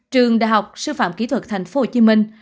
trường đại học sư phạm kỹ thuật thành phố hồ chí minh